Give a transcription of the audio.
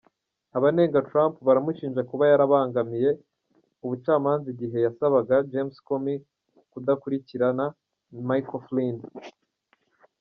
Abanenga Trump baramushinja kuba yarabangamiye ubucamanza igihe yasabaga James Comey kudakurikirana Michael Flynn.